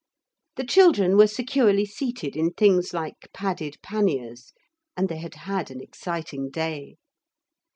The children were securely seated in things like padded panniers, and they had had an exciting day.